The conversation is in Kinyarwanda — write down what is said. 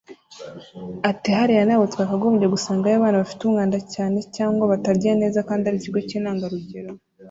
Ati “hariya ntabwo twakagombye gusangayo abana bafite umwanda cyane cyangwa batarya neza kandi ari ikigo cy’intangarugero